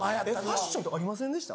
ファッションとかありませんでした？